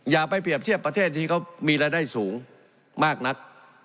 อย่าไปเปรียบเทียบประเทศที่เขามีรายได้สูงมากนัก